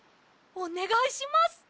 おねがいします。